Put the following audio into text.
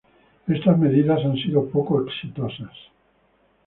Estas medidas han sido poco exitosas.